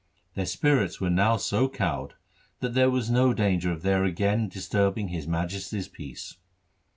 Their spirits were now so cowed that there was no danger of their again disturbing His Majesty's peace.